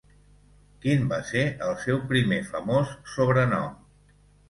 Quin va ser el seu primer famós sobrenom?